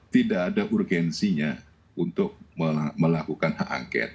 tidak ada urgensinya untuk melakukan hak angket